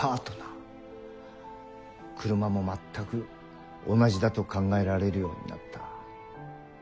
車も全く同じだと考えられるようになった。